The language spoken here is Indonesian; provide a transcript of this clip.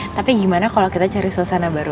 tapi gimana kalau kita cari suasana baru